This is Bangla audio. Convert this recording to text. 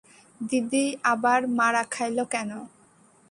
দিদি আবার মারা খাইল কেন?